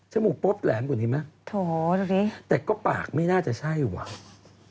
จมูกป๊อปแหลมกว่านี้ไหมแต่ก็ปากไม่น่าจะใช่หรือเปล่าโถดูดิ